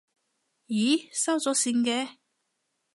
咦，收咗線嘅？